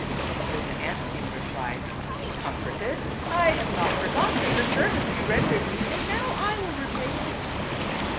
Then the ant king replied, "Be comforted. I have not forgotten the service you rendered me, and now I will repay you."